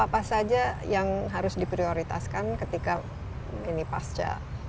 apa saja yang harus diprioritaskan ketika ini pasca